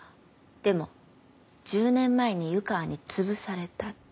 でも１０年前に湯川につぶされたって。